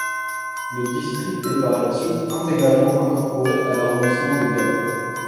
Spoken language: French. Le district est par la suite intégralement incorporé à l'arrondissement de Gap.